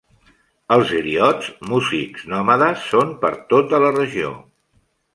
Els griots, músics nòmades, són per tota la regió.